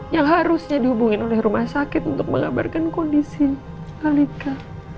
yang harusnya dihubungin oleh rumah sakit untuk mengabarkan kondisi alika